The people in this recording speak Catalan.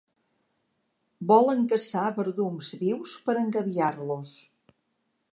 Volen caçar verdums vius per engabiar-los.